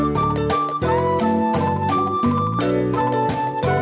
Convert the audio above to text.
neng itu ga ada